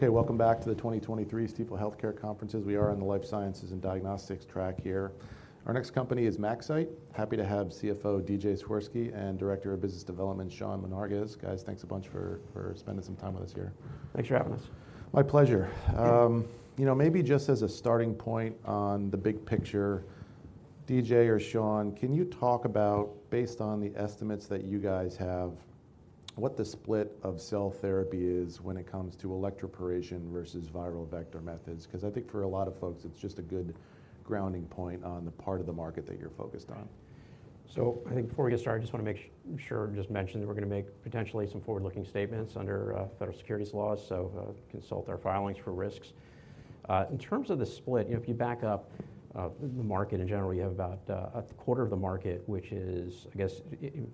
Okay, welcome back to the 2023 Stifel Healthcare conference. We are on the life sciences and diagnostics track here. Our next company is MaxCyte. Happy to have CFO Doug Swirsky and Director of Business Development Sean Menarguez. Guys, thanks a bunch for spending some time with us here. Thanks for having us. My pleasure. You know, maybe just as a starting point on the big picture, DJ or Sean, can you talk about, based on the estimates that you guys have, what the split of cell therapy is when it comes to electroporation versus viral vector methods? Because I think for a lot of folks, it's just a good grounding point on the part of the market that you're focused on. I think before we get started, I just want to make sure, just mention that we're going to make potentially some forward-looking statements under federal securities laws, so consult our filings for risks. In terms of the split, you know, if you back up, the market in general, you have about 25% of the market, which is, I guess,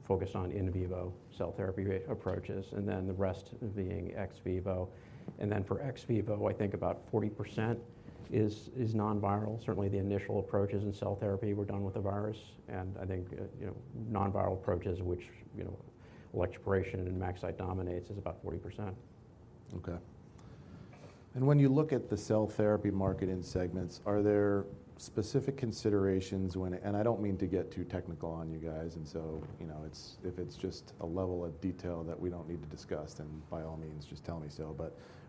focused on in vivo cell therapy approaches, and then the rest being ex vivo. Then for ex vivo, I think about 40% is non-viral certainly, the initial approaches in cell therapy were done with the virus, and I think, you know, non-viral approaches, which, you know, electroporation and MaxCyte dominates, is about 40%. Okay. And when you look at the cell therapy market in segments, are there specific considerations when, and I don't mean to get too technical on you guys, and so, you know, it's, if it's just a level of detail that we don't need to discuss, then by all means, just tell me so.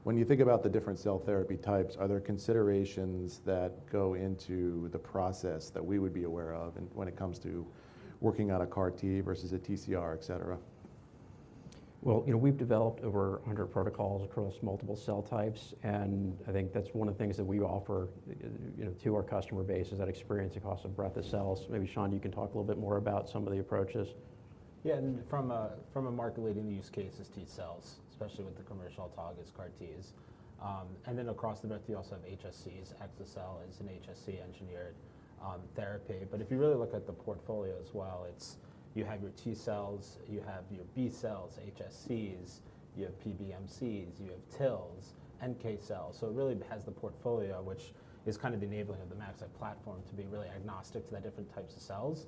When you think about the different cell therapy types, are there considerations that go into the process that we would be aware of, and when it comes to working on a CAR T versus a TCR, et cetera? Well, you know, we've developed over 100 protocols across multiple cell types, and I think that's one of the things that we offer, you know, to our customer base, is that experience across a breadth of cells. Maybe, Sean, you can talk a little bit more about some of the approaches. Yeah, and from a market-leading use case, it's T cells, especially with the commercial autologous CAR Ts. And then across the breadth, you also have HSCs. exa-cel is an HSC-engineered therapy but if you really look at the portfolio as well, it's... You have your T cells, you have your B cells, HSCs, you have PBMCs, you have TILs, NK cells. So it really has the portfolio, which is kind of enabling of the MaxCyte platform to be really agnostic to the different types of cells.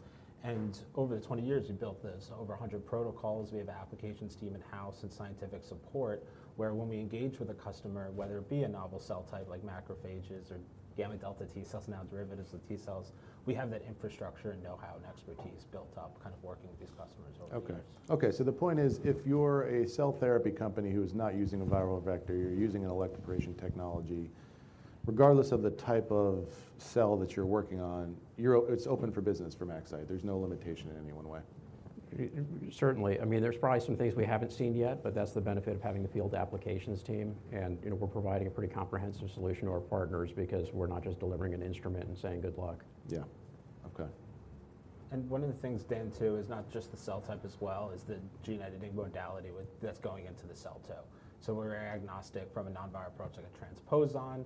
Over the 20 years, we've built this, over 100 protocols we have an applications team in-house and scientific support, where when we engage with a customer, whether it be a novel cell type like macrophages or gamma delta T cells, now derivatives of T cells, we have that infrastructure and know-how and expertise built up, kind of working with these customers over the years. Okay. Okay, so the point is, if you're a cell therapy company who is not using a viral vector, you're using an electroporation technology, regardless of the type of cell that you're working on, you're. It's open for business for MaxCyte there's no limitation in any one way. Certainly, I mean, there's probably some things we haven't seen yet, but that's the benefit of having the field applications team. You know, we're providing a pretty comprehensive solution to our partners because we're not just delivering an instrument and saying, "Good luck. Yeah. Okay. One of the things, Dan, too, is not just the cell type as well, is the gene editing modality with—that's going into the cell, too. So we're agnostic from a non-viral approach, like a transposon,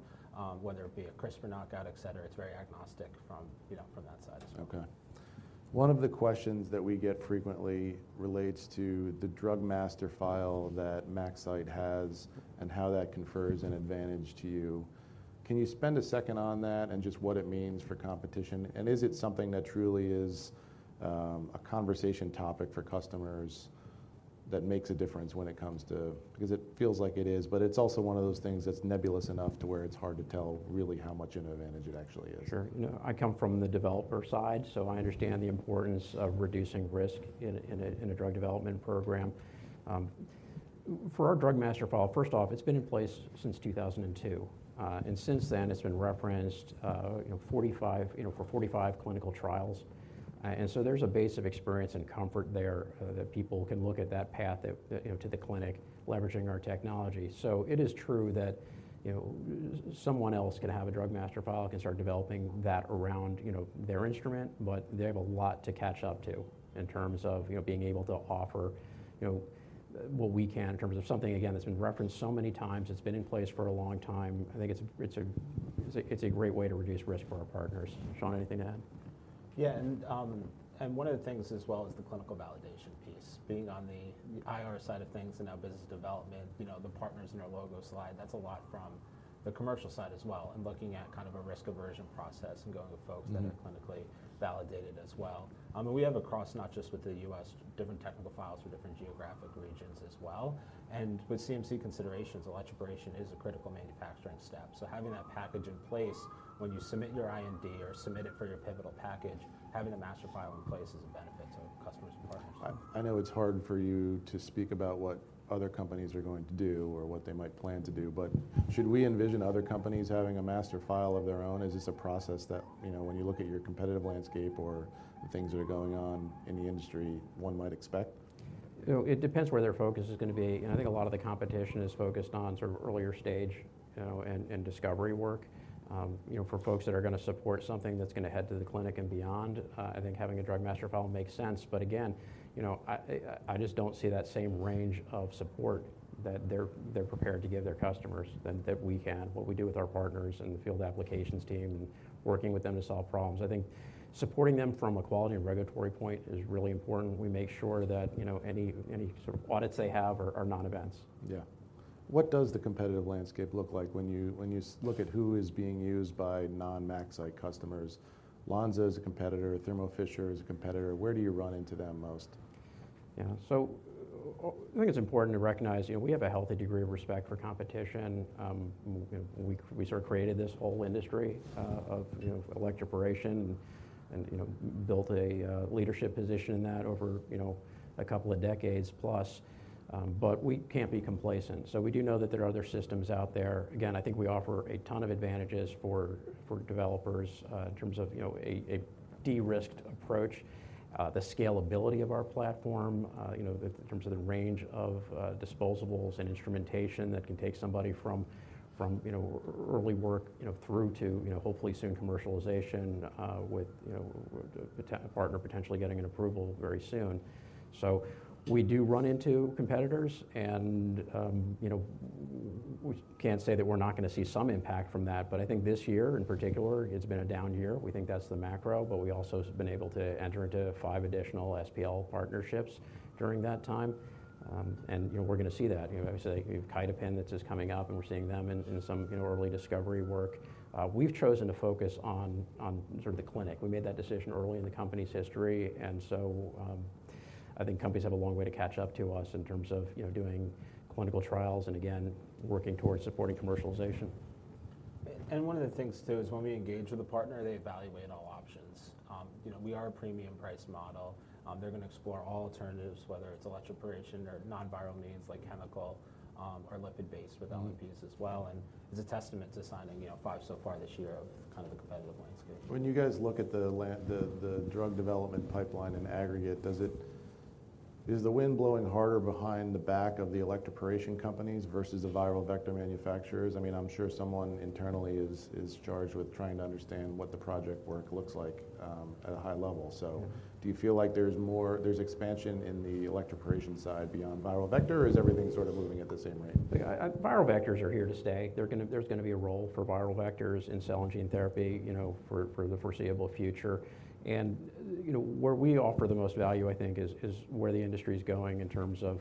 whether it be a CRISPR knockout, et cetera it's very agnostic from, you know, from that side as well. Okay. One of the questions that we get frequently relates to the Drug Master File that MaxCyte has and how that confers an advantage to you. Can you spend a second on that and just what it means for competition? And is it something that truly is a conversation topic for customersthat makes a difference when it comes to... Because it feels like it is, but it's also one of those things that's nebulous enough to where it's hard to tell really how much an advantage it actually is. Sure. You know, I come from the developer side, so I understand the importance of reducing risk in a drug development program. For our Drug Master File, first off, it's been in place since 2002, and since then, it's been referenced, you know, for 45 clinical trials. And so there's a base of experience and comfort there, that people can look at that path, you know, to the clinic, leveraging our technology. It is true that, you know, someone else can have a Drug Master File, can start developing that around, you know, their instrument, but they have a lot to catch up to in terms of, you know, being able to offer, you know, what we can in terms of something, again, that's been referenced so many times, it's been in place for a long time. I think it's a great way to reduce risk for our partners. Sean, anything to add? Yeah, and one of the things as well is the clinical validation piece being on the IR side of things and our business development, you know, the partners in our logo slide, that's a lot from the commercial side as well and looking at kind of a risk aversion process and going with folks that are clinically validated as well. We have across, not just with the U.S., different technical files for different geographic regions as well. With CMC considerations, electroporation is a critical manufacturing step so having that package in place when you submit your IND or submit it for your pivotal package, having a master file in place is a benefit to customers and partners. I know it's hard for you to speak about what other companies are going to do or what they might plan to do, but should we envision other companies having a master file of their own? Is this a process that, you know, when you look at your competitive landscape or the things that are going on in the industry, one might expect? You know, it depends where their focus is gonna be, and I think a lot of the competition is focused on sort of earlier stage, you know, and discovery work. You know, for folks that are gonna support something that's gonna head to the clinic and beyond, I think having a Drug Master File makes sense but again. You know, I just don't see that same range of support that they're prepared to give their customers than that we can what we do with our partners and the field applications team, and working with them to solve problems, I think supporting them from a quality and regulatory point is really important we make sure that, you know, any sort of audits they have are non-events. Yeah. What does the competitive landscape look like when you, when you look at who is being used by non-MaxCyte customers? Lonza is a competitor Thermo Fisher is a competitor where do you run into them most? I think it's important to recognize, you know, we have a healthy degree of respect for competition. We sort of created this whole industry of, you know, electroporation and, you know, built a leadership position in that over, you know, a couple of decades plus, but we can't be complacent so we do know that there are other systems out there. I think we offer a ton of advantages for developers in terms of, you know, a de-risked approach, the scalability of our platform, you know, in terms of the range of disposables and instrumentation that can take somebody from, you know, early work, you know, through to, you know, hopefully soon commercialization, with, you know, a partner potentially getting an approval very soon. We do run into competitors, and, you know, we can't say that we're not going to see some impact from that, but I think this year in particular, it's been a down year we think that's the macro, but we also have been able to enter into five additional SPL partnerships during that time. And, you know, we're going to see that you know, obviously, we've Kytopen that's just coming up, and we're seeing them in some, you know, early discovery work. We've chosen to focus on sort of the clinic we made that decision early in the company's history, and i think companies have a long way to catch up to us in terms of, you know, doing clinical trials and again, working towards supporting commercialization. One of the things too, is when we engage with a partner, they evaluate all options. You know, we are a premium price model. They're going to explore all alternatives, whether it's electroporation or non-viral means, like chemical, or lipid-based with LNPs as well. And it's a testament to signing, you know, five so far this year of kind of the competitive landscape. When you guys look at the drug development pipeline in aggregate, is the wind blowing harder behind the back of the electroporation companies versus the viral vector manufacturers? I mean, I'm sure someone internally is charged with trying to understand what the project work looks like at a high level. Yeah. Do you feel like there's expansion in the electroporation side beyond viral vector, or is everything sort of moving at the same rate? Viral vectors are here to stay. They're gonna, there's gonna be a role for viral vectors in cell and gene therapy, you know, for the foreseeable future. You know, where we offer the most value, I think, is where the industry is going in terms of,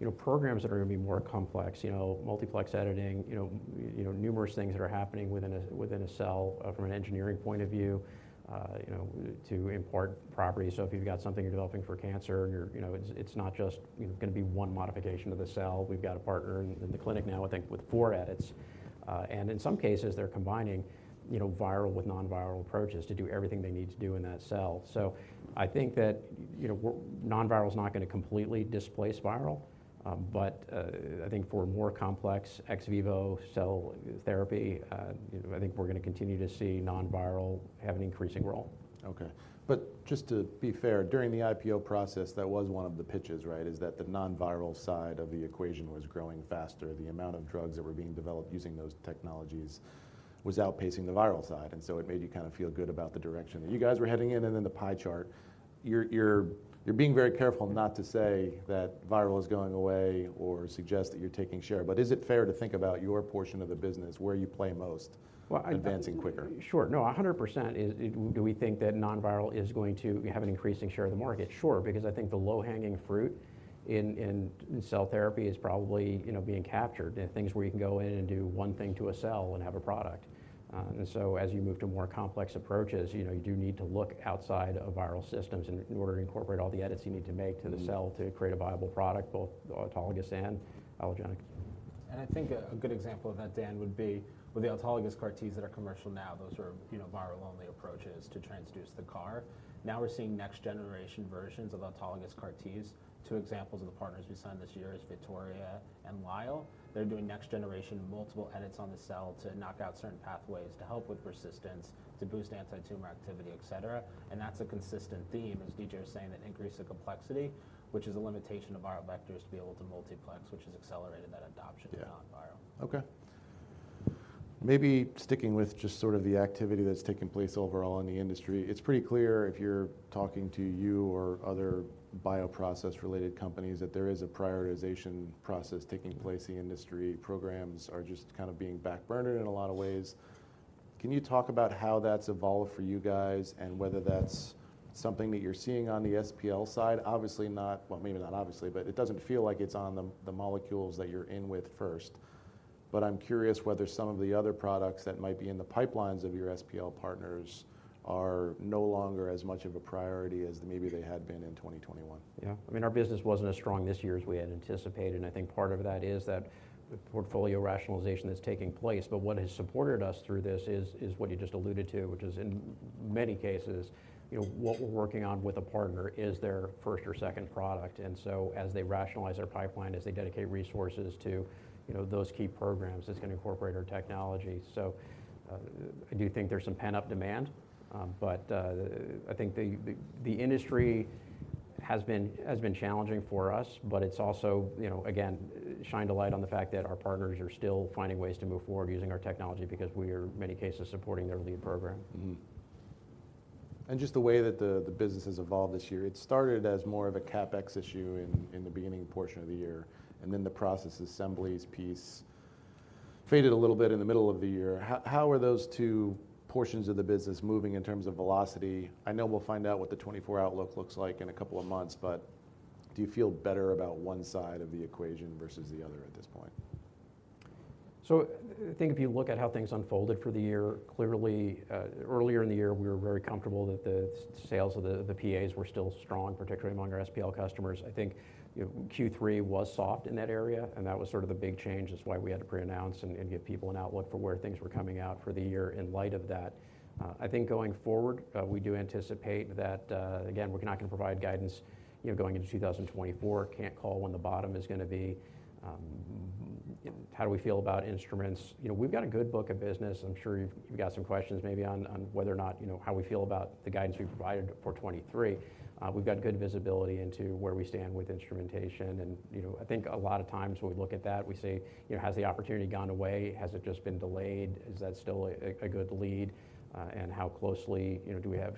you know, programs that are going to be more complex. You know, multiplex editing, you know, numerous things that are happening within a cell from an engineering point of view. You know, to import properties so if you've got something you're developing for cancer, you know, it's not just, you know, going to be one modification to the cell. We've got a partner in the clinic now, I think, with four edits, and in some cases, they're combining, you know, viral with non-viral approaches to do everything they need to do in that cell. I think that, you know, non-viral is not going to completely displace viral, but, I think for a more complex ex vivo cell therapy, you know, I think we're going to continue to see non-viral have an increasing role. Okay. But just to be fair, during the IPO process, that was one of the pitches, right? Is that the non-viral side of the equation was growing faster? The amount of drugs that were being developed using those technologies was outpacing the viral side, and so it made you kind of feel good about the direction that you guys were heading in and then the pie chart, you're, you're, you're being very careful not to say that viral is going away or suggest that you're taking share, but is it fair to think about your portion of the business, where you play most- Well, I-... advancing quicker? Sure. No, 100%—do we think that non-viral is going to have an increasing share of the market? Sure, because I think the low-hanging fruit in cell therapy is probably, you know, being captured, and things where you can go in and do one thing to a cell and have a product. And so as you move to more complex approaches, you know, you do need to look outside of viral systems in order to incorporate all the edits you need to make to the cell to create a viable product, both autologous and allogeneic. And I think a good example of that, Dan, would be with the autologous CAR Ts that are commercial now athose are, you know, viral-only approaches to transduce the CAR. Now we're seeing next-generation versions of autologous CAR Ts. Two examples of the partners we signed this year is Vittoria and Lyell. They're doing next generation, multiple edits on the cell to knock out certain pathways to help with persistence, to boost antitumor activity, etc. And that's a consistent theme, as DJ was saying, that increase the complexity, which is a limitation of viral vectors to be able to multiplex, which has accelerated that adoption of non-viral. Yeah. Okay. Maybe sticking with just sort of the activity that's taking place overall in the industry, it's pretty clear if you're talking to you or other bioprocess-related companies, that there is a prioritization process taking place in the industry programs are just kind of being backburnered in a lot of ways. Can you talk about how that's evolved for you guys and whether that's something that you're seeing on the SPL side? Obviously not... Well, maybe not obviously, but it doesn't feel like it's on the, the molecules that you're in with first. But I'm curious whether some of the other products that might be in the pipelines of your SPL partners are no longer as much of a priority as maybe they had been in 2021. Yeah. I mean, our business wasn't as strong this year as we had anticipated, and I think part of that is that the portfolio rationalization that's taking place but what has supported us through this is what you just alluded to, which is in many cases, you know, what we're working on with a partner is their first or second product and so as they rationalize their pipeline, as they dedicate resources to, you know, those key programs, it's going to incorporate our technology. I do think there's some pent-up demand, but I think the industry has been challenging for us, but it's also, you know, again, shined a light on the fact that our partners are still finding ways to move forward using our technology because we are, in many cases, supporting their lead program. Just the way that the, the business has evolved this year, it started as more of a CapEx issue in, in the beginning portion of the year, and then the process assemblies piece faded a little bit in the middle of the year. How, how are those two portions of the business moving in terms of velocity? I know we'll find out what the 2024 outlook looks like in a couple of months, Do you feel better about one side of the equation versus the other at this point? I think if you look at how things unfolded for the year, clearly, earlier in the year, we were very comfortable that the sales of the, the PAs were still strong, particularly among our SPL customers i think, you know, Q3 was soft in that area, and that was sort of the big change. That's why we had to pre-announce and, and give people an outlook for where things were coming out for the year in light of that. I think going forward, we do anticipate that... We're not gonna provide guidance, you know, going into 2024. Can't call when the bottom is gonna be. How do we feel about instruments? You know, we've got a good book of business i'm sure, you've got some questions maybe on whether or not, you know, how we feel about the guidance we've provided for 2023. We've got good visibility into where we stand with instrumentation, and, you know, I think a lot of times when we look at that, we say, you know, "Has the opportunity gone away? Has it just been delayed? Is that still a good lead?" And how closely, you know, do we have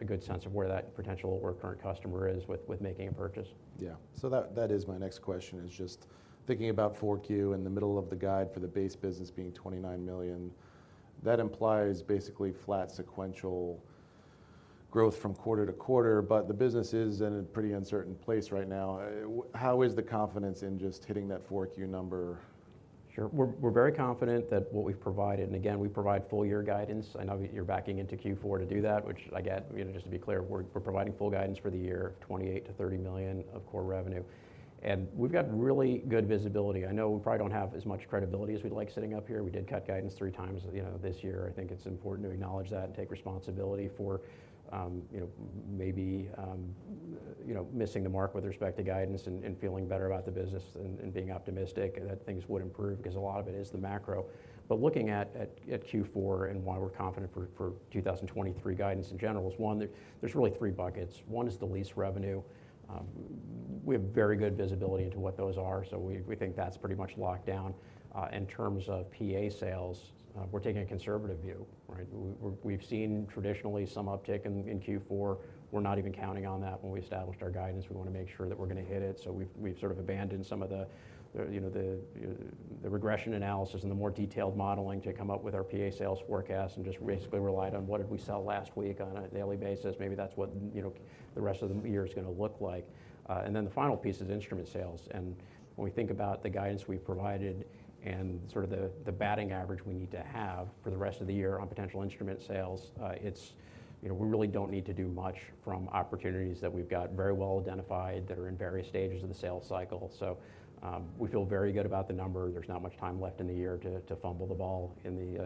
a good sense of where that potential or current customer is with making a purchase? Yeah. That, that is my next question, is just thinking about Q4 in the middle of the guide for the base business being $29 million. That implies basically flat sequential growth from quarter-to-quarter, but the business is in a pretty uncertain place right now. How is the confidence in just hitting that Q4 number? Sure. We're very confident that what we've provided and again, we provide full year guidance. I know you're backing into Q4 to do that, which I get you know, just to be clear, we're providing full guidance for the year, $28 to 30 million of core revenue. We've got really good visibility. I know we probably don't have as much credibility as we'd like sitting up here we did cut guidance three times, you know, this year. I think it's important to acknowledge that and take responsibility for, you know, maybe, you know, missing the mark with respect to guidance and feeling better about the business and being optimistic that things would improve because a lot of it is the macro. Looking at Q4 and why we're confident for 2023 guidance in general is, one, there's really three buckets. One is the lease revenue. We have very good visibility into what those are, so we think that's pretty much locked down. In terms of PA sales, we're taking a conservative view, right? We've seen traditionally some uptick in Q4. We're not even counting on that when we established our guidance we wanna make sure that we're gonna hit it. We've sort of abandoned some of the, you know, the regression analysis and the more detailed modeling to come up with our PA sales forecast and just basically relied on what did we sell last week on a daily basis. Maybe that's what, you know, the rest of the year is gonna look like. Then the final piece is instrument sales. When we think about the guidance we provided and sort of the batting average we need to have for the rest of the year on potential instrument sales, it's... You know, we really don't need to do much from opportunities that we've got very well identified, that are in various stages of the sales cycle. We feel very good about the number there's not much time left in the year to fumble the ball in the,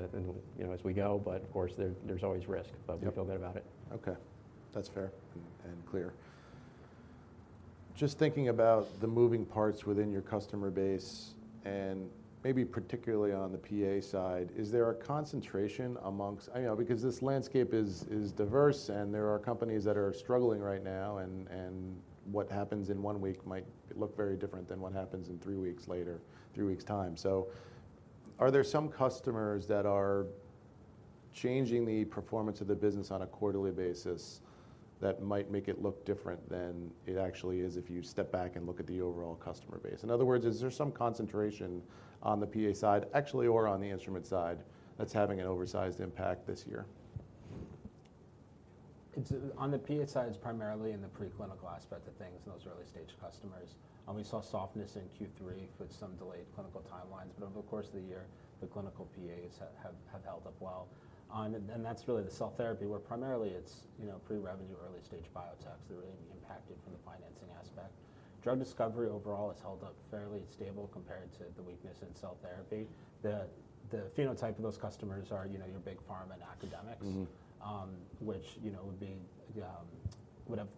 you know, as we go, but of course, there's always risk. Yeah. But we feel good about it. Okay. That's fair and clear. Just thinking about the moving parts within your customer base and maybe particularly on the PA side, is there a concentration amongst—I know because this landscape is diverse, and there are companies that are struggling right now, and what happens in one week might look very different than what happens in three weeks later, three weeks' time. Are there some customers that are changing the performance of the business on a quarterly basis that might make it look different than it actually is if you step back and look at the overall customer base? In other words, is there some concentration on the PA side, actually, or on the instrument side, that's having an oversized impact this year? On the PA side, it's primarily in the preclinical aspect of things and those early-stage customers. And we saw softness in Q3 with some delayed clinical timelines, but over the course of the year, the clinical PAs have held up well. And that's really the cell therapy, where primarily it's, you know, pre-revenue, early-stage biotechs that are really impacted from the financing aspect. Drug discovery overall has held up fairly stable compared to the weakness in cell therapy. The phenotype of those customers are, you know, your Big Pharma and academics- Mm-hmm. which, you know, would be would have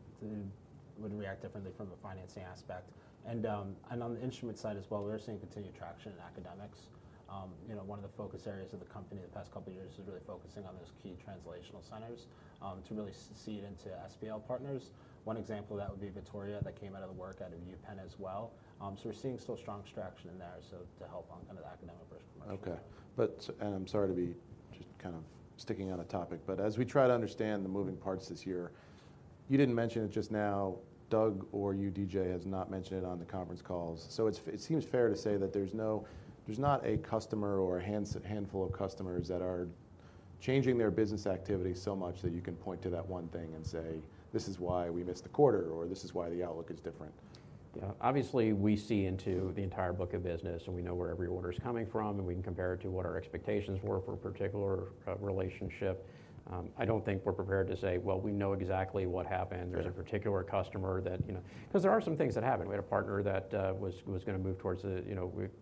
would react differently from a financing aspect. And on the instrument side as well, we are seeing continued traction in academics. You know, one of the focus areas of the company the past couple of years is really focusing on those key translational centers, to really seed into SPL partners. One example of that would be Vittoria that came out of the work out of UPenn as well. So we're seeing still strong traction in there, so to help on kind of the academic push. Okay. I'm sorry to be just kind of sticking on a topic, but as we try to understand the moving parts this year, you didn't mention it just now, Doug or you, DJ, has not mentioned it on the conference calls. So it's, it seems fair to say that there's not a customer or a handful of customers that are changing their business activity so much that you can point to that one thing and say, "This is why we missed the quarter," or, "This is why the outlook is different. Yeah. Obviously, we see into the entire book of business, and we know where every order is coming from, and we can compare it to what our expectations were for a particular relationship. I don't think we're prepared to say: Well, we know exactly what happened. Yeah. There's a particular customer that, you know. Because there are some things that happened we had a partner that was gonna move towards a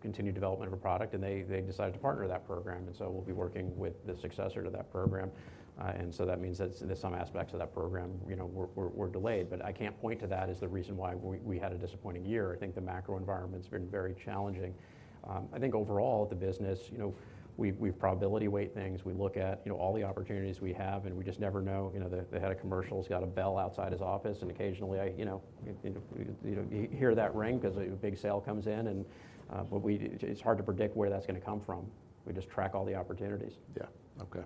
continued development of a product, and they decided to partner that program, and so we'll be working with the successor to that program. And so that means that some aspects of that program, you know, were delayed, but I can't point to that as the reason why we had a disappointing year. I think the macro environment's been very challenging. I think overall, the business, you know, we probability weight things. We look at all the opportunities we have, and we just never know you know, the head of commercial's got a bell outside his office, and occasionally I, you know, you know, hear that ring because a big sale comes in. But it's hard to predict where that's gonna come from. We just track all the opportunities. Yeah. Okay.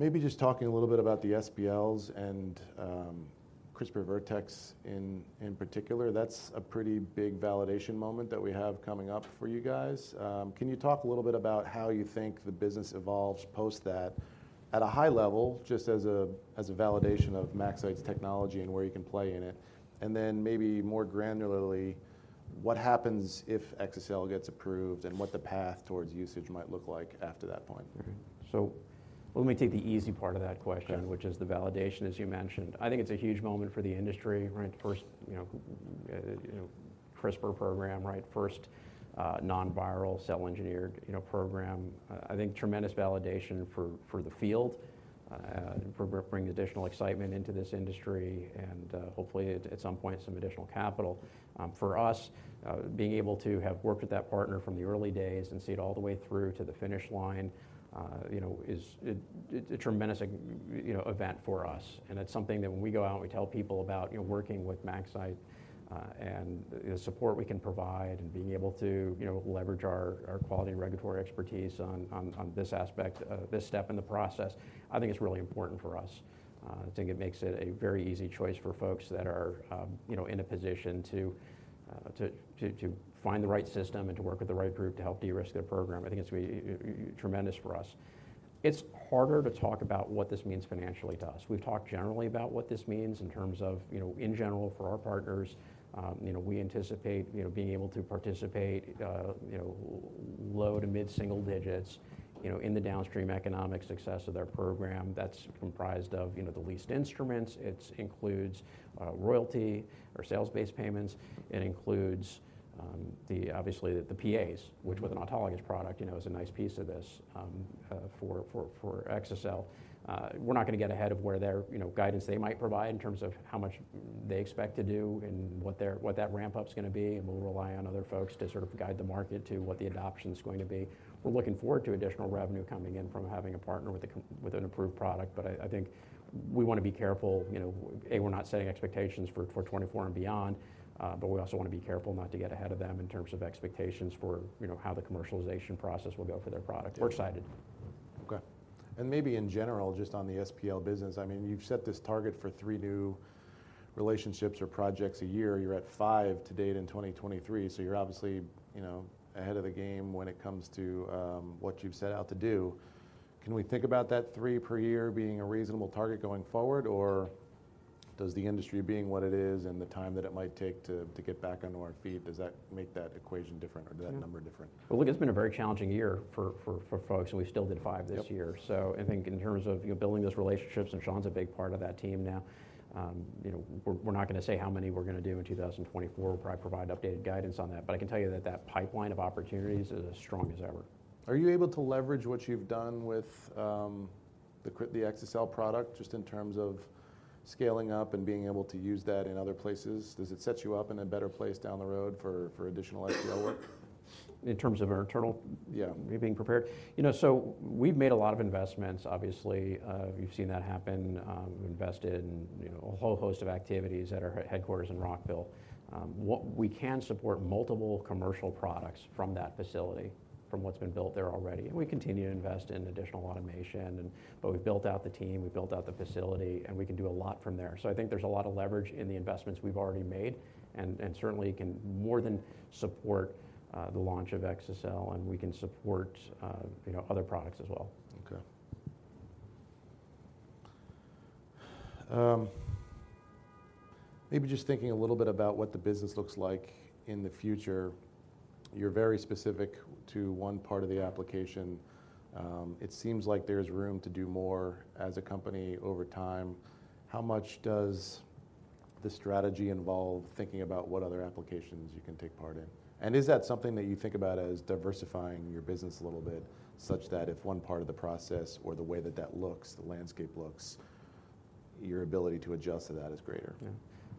Maybe just talking a little bit about the SPLs and CRISPR Vertex in particular that's a pretty big validation moment that we have coming up for you guys. Can you talk a little bit about how you think the business evolves post that? at a high level, just as a, as a validation of MaxCyte's technology and where you can play in it? And then maybe more granularly, what happens if exa-cel gets approved and what the path towards usage might look like after that point? Okay. Let me take the easy part of that question which is the validation, as you mentioned. I think it's a huge moment for the industry, right? First, you know, you know, CRISPR program, right? First, non-viral, cell-engineered, you know, program. I think tremendous validation for the field, for bringing additional excitement into this industry and, hopefully at some point, some additional capital. For us, being able to have worked with that partner from the early days and see it all the way through to the finish line, you know, it's a tremendous, you know, event for us. It's something that when we go out and we tell people about, you know, working with MaxCyte, and the support we can provide, and being able to, you know, leverage our quality and regulatory expertise on this aspect, this step in the process, I think it's really important for us. I think it makes it a very easy choice for folks that are, you know, in a position to find the right system and to work with the right group to help de-risk their program i think it's going to be tremendous for us. It's harder to talk about what this means financially to us we've talked generally about what this means in terms of, you know, in general, for our partners, you know, we anticipate, you know, being able to participate, you know, low to mid single digits, you know, in the downstream economic success of their program that's comprised of, you know, the leased instruments, it's includes, royalty or sales-based payments, it includes, the obviously, the PAs, which with an autologous product, you know, is a nice piece of this, for exa-cel. We're not going to get ahead of where their, you know, guidance they might provide in terms of how much they expect to do and what that ramp-up's gonna be, and we'll rely on other folks to sort of guide the market to what the adoption is going to be. We're looking forward to additional revenue coming in from having a partner with an approved product, but I think we want to be careful, you know, we're not setting expectations for 2024 and beyond, but we also want to be careful not to get ahead of them in terms of expectations for, you know, how the commercialization process will go for their product we're excited. Okay. And maybe in general, just on the SPL business, I mean, you've set this target for three new relationships or projects a year you're at five to date in 2023, so you're obviously, you know, ahead of the game when it comes to what you've set out to do. Can we think about that three per year being a reasonable target going forward or? does the industry being what it is and the time that it might take to get back onto our feet, does that make that equation different or that number different? Well, look, it's been a very challenging year for folks, and we still did five this year. Yep. I think in terms of, you know, building those relationships, and Sean's a big part of that team now, you know, we're not going to say how many we're going to do in 2024 we'll probably provide updated guidance on that. But I can tell you that that pipeline of opportunities is as strong as ever. Are you able to leverage what you've done with the exa-cel product, just in terms of scaling up and being able to use that in other places? Does it set you up in a better place down the road for additional exa-cel work? In terms of internal- Yeah. Me being prepared? You know, so we've made a lot of investments obviously, you've seen that happen. We've invested in, you know, a whole host of activities at our headquarters in Rockville. We can support multiple commercial products from that facility, from what's been built there already, and we continue to invest in additional automation. But we've built out the team, we've built out the facility, and we can do a lot from there so I think there's a lot of leverage in the investments we've already made, and certainly can more than support the launch of exa-cel, and we can support, you know, other products as well. Okay. Maybe just thinking a little bit about what the business looks like in the future, you're very specific to one part of the application. It seems like there's room to do more as a company over time. How much does the strategy involve thinking about what other applications you can take part in? And is that something that you think about as diversifying your business a little bit, such that if one part of the process or the way that that looks, the landscape looks, your ability to adjust to that is greater?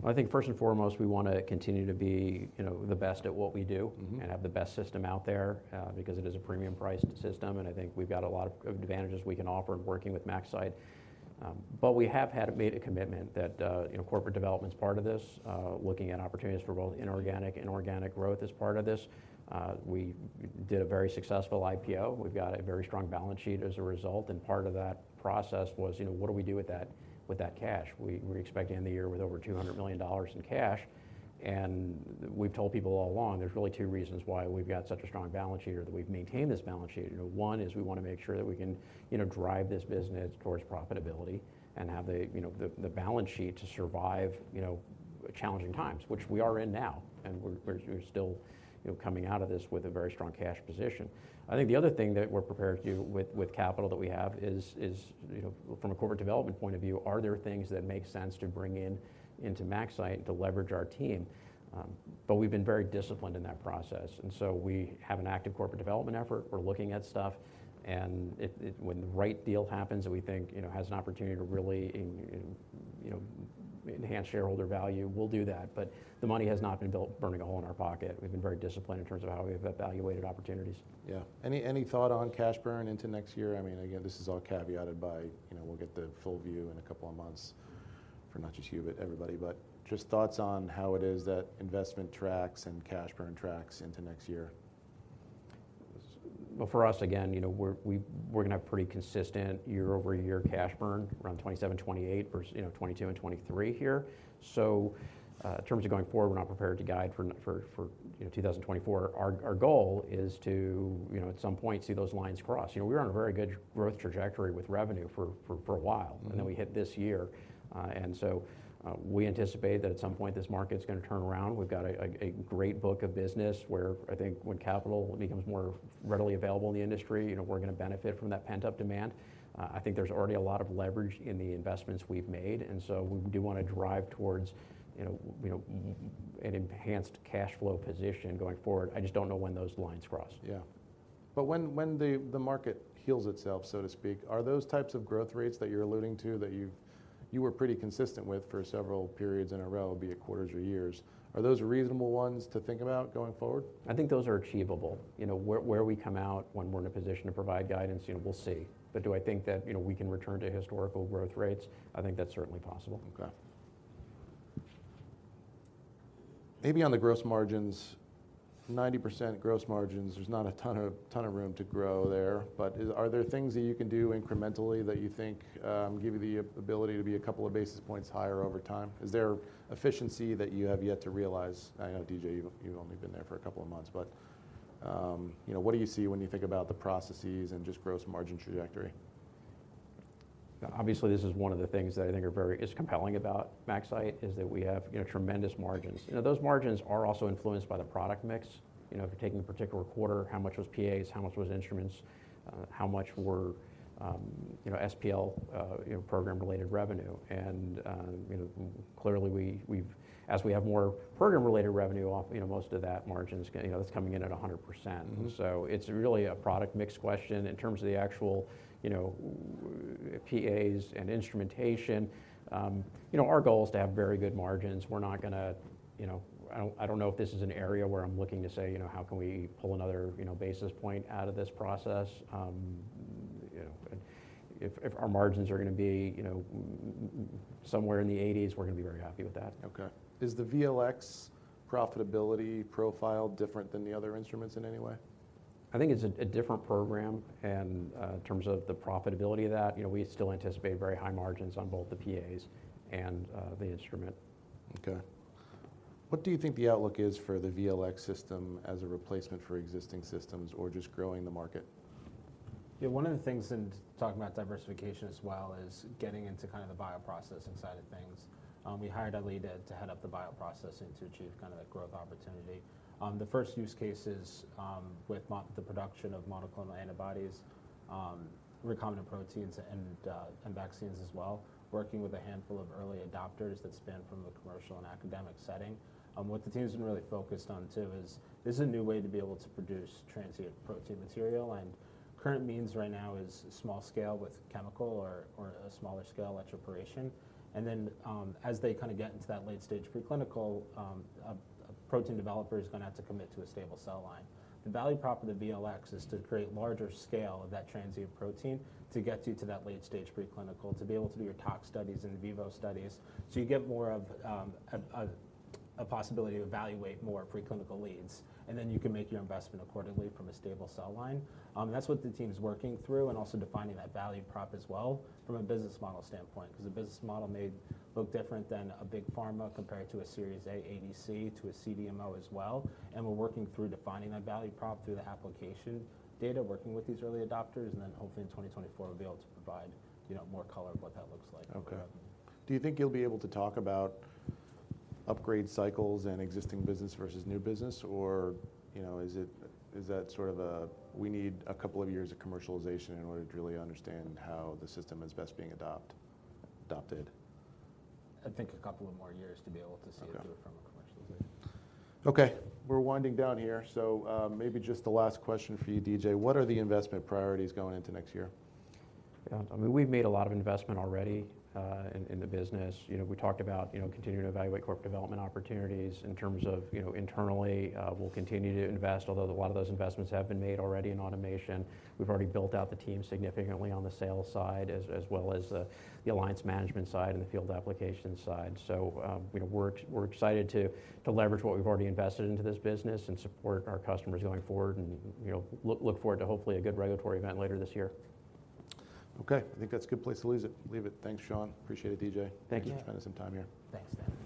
Yeah. I think first and foremost, we wanna continue to be, you know, the best at what we do, and have the best system out there, because it is a premium-priced system, and I think we've got a lot of advantages we can offer in working with MaxCyte. We have had to make a commitment that, you know, corporate development is part of this, looking at opportunities for both inorganic and organic growth as part of this. We did a very successful IPO we've got a very strong balance sheet as a result, and part of that process was, you know, what do we do with that, with that cash? We're expecting to end the year with over $200 million in cash. We've told people all along, there's really two reasons why we've got such a strong balance sheet or that we've maintained this balance sheet you know, one is we wanna make sure that we can, you know, drive this business towards profitability and have the, you know, the balance sheet to survive, you know, challenging times, which we are in now, and we're still, you know, coming out of this with a very strong cash position. I think the other thing that we're prepared to do with capital that we have is, you know, from a corporate development point of view, are there things that make sense to bring in, into MaxCyte to leverage our team? But we've been very disciplined in that process, and so we have an active corporate development effort we're looking at stuff, and when the right deal happens that we think, you know, has an opportunity to really, you know, enhance shareholder value, we'll do that. But the money has not been burning a hole in our pocket we've been very disciplined in terms of how we've evaluated opportunities. Yeah. Any thought on cash burn into next year? I mean, again, this is all caveated by, you know, we'll get the full view in a couple of months for not just you, but everybody but just thoughts on how it is that investment tracks and cash burn tracks into next year. For us, again, you know, we're gonna have pretty consistent year-over-year cash burn, around $27 to 28 million versus, you know, $22 million and $23 million here. In terms of going forward, we're not prepared to guide for 2024 our goal is to, you know, at some point, see those lines cross you know, we were on a very good growth trajectory with revenue for a while- And then we hit this year. We anticipate that at some point, this market's gonna turn around we've got a great book of business, where I think when capital becomes more readily available in the industry, you know, we're gonna benefit from that pent-up demand. I think there's already a lot of leverage in the investments we've made, and so we do wanna drive towards, you know, an enhanced cash flow position going forward i just don't know when those lines cross. Yeah. But when the market heals itself, so to speak, are those types of growth rates that you're alluding to, that you were pretty consistent with for several periods in a row, be it quarters or years, are those reasonable ones to think about going forward? I think those are achievable. You know, where, where we come out when we're in a position to provide guidance, you know, we'll see. But do I think that, you know, we can return to historical growth rates? I think that's certainly possible. Okay. Maybe on the gross margins, 90% gross margins, there's not a ton of room to grow there, but are there things that you can do incrementally that you think give you the ability to be a couple of basis points higher over time? Is there efficiency that you have yet to realize? I know, DJ, you've only been there for a couple of months, but you know, what do you see when you think about the processes and just gross margin trajectory? Obviously, this is one of the things that I think are very is compelling about MaxCyte, is that we have, you know, tremendous margins. You know, those margins are also influenced by the product mix. You know, if you're taking a particular quarter, how much was PAs, how much was instruments, how much were, you know, SPL, you know, program-related revenue? You know, clearly, we, we've as we have more program-related revenue off, you know, most of that margin's gonna, you know, that's coming in at 100%. It's really a product mix question in terms of the actual, you know, PAs and instrumentation, you know, our goal is to have very good margins we're not gonna, you know... I don't, I don't know if this is an area where I'm looking to say, you know, "How can we pull another, you know, basis point out of this process?" You know, if, if our margins are gonna be, you know, somewhere in the 80's, we're gonna be very happy with that. Okay. Is the VLX profitability profile different than the other instruments in any way? I think it's a different program, and in terms of the profitability of that, you know, we still anticipate very high margins on both the PAs and the instrument. Okay. What do you think the outlook is for the VLX system as a replacement for existing systems or just growing the market? Yeah, one of the things in talking about diversification as well, is getting into kind of the bioprocessing side of things. We hired a lead to head up the bioprocessing to achieve kind of that growth opportunity. The first use case is with the production of monoclonal antibodies, recombinant proteins, and vaccines as well, working with a handful of early adopters that span from the commercial and academic setting. What the team's been really focused on too is this is a new way to be able to produce transient protein material, and current means right now is small scale with chemical or a smaller scale electroporation. Then, as they kinda get into that late-stage preclinical, a protein developer is gonna have to commit to a stable cell line. The value prop of the VLX is to create larger scale of that transient protein to get you to that late-stage preclinical, to be able to do your tox studies and in vivo studies. So you get more of a possibility to evaluate more preclinical leads, and then you can make your investment accordingly from a stable cell line. That's what the team's working through, and also defining that value prop as well, from a business model standpoint, 'cause the business model may look different than a big pharma compared to a Series A ADC, to a CDMO as well. And we're working through defining that value prop through the application data, working with these early adopters, and then hopefully in 2024, we'll be able to provide, you know, more color of what that looks like. Okay. Do you think you'll be able to talk about upgrade cycles and existing business versus new business? Or, you know, is that sort of a, we need a couple of years of commercialization in order to really understand how the system is best being adopted? I think a couple of more years to be able to see it- Okay... through from a commercialization. Okay, we're winding down here, so, maybe just a last question for you, DJ. What are the investment priorities going into next year? Yeah, I mean, we've made a lot of investment already in the business you know, we talked about, you know, continuing to evaluate corporate development opportunities in terms of, you know, internally, we'll continue to invest, although a lot of those investments have been made already in automation. We've already built out the team significantly on the sales side, as well as the alliance management side and the field application side. You know, we're excited to leverage what we've already invested into this business and support our customers going forward and, you know, look forward to hopefully a good regulatory event later this year. Okay. I think that's a good place to lose it, leave it. Thanks, Sean. Appreciate it, DJ. Thank you. Thanks for spending some time here. Thanks, Dan. Much appreciated.